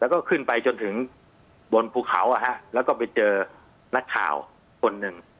แล้วก็ขึ้นไปจนถึงบนภูเขาแล้วก็ไปเจอนักข่าวคนหนึ่ง